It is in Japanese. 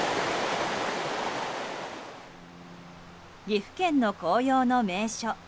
岐阜県の紅葉の名所